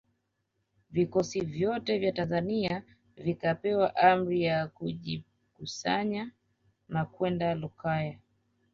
Vikosi vyote vya Tanzania vikapewa amri ya kujikusanya na kwenda Lukaya